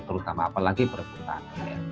terutama apalagi perebutan